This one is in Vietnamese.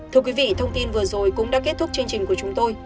thưa quý vị thông tin vừa rồi cũng đã kết thúc chương trình của chúng tôi